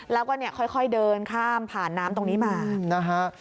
แล้วก็ค่อยเดินข้ามผ่านน้ำตรงนี้มา